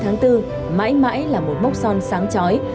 tháng ba mươi tháng bốn mãi mãi là một mốc son sáng chói